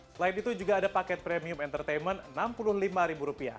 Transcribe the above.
selain itu juga ada paket premium entertainment rp enam puluh lima